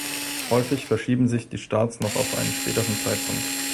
Häufig verschieben sich die Starts noch auf einen späteren Zeitpunkt.